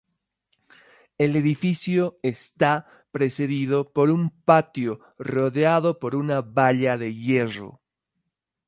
El edificio está precedido por un patio rodeado por una valla de hierro.